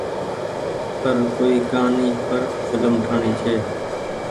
پر ڪوئي ڪهآني پر ڦلم ٺآڻي ڇي۔